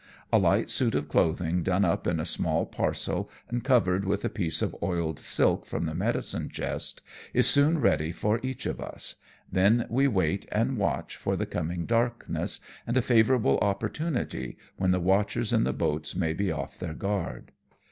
A light suit of clothing done up in a small parcel, and covered with a piece of oiled silk from the medicine chest, is soon ready for each of us, then we wait and watch for the coming darkness and a favour able opportunity, when the watchers in the boats may be ofi" their guard.